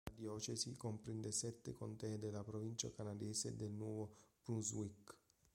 La diocesi comprende sette contee della provincia canadese del Nuovo Brunswick.